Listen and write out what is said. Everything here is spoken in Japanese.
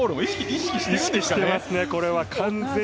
意識してますね、完全に。